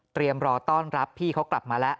รอต้อนรับพี่เขากลับมาแล้ว